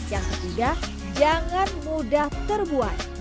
yang ketiga jangan mudah terbuat